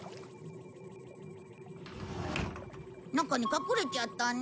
中に隠れちゃったね。